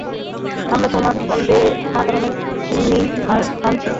আমরা তোমার বন্দেমাতরমের শিন্নি মানছি।